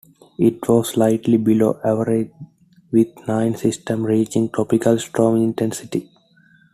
It was slightly below average, with nine systems reaching tropical storm intensity.